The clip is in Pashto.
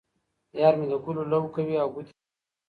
یار مې د ګلو لو کوي او ګوتې رېبي.